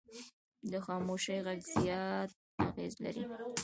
د خاموشي غږ زیات اغېز لري